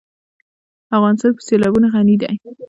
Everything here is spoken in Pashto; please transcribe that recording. افغانستان په سیلابونه غني دی.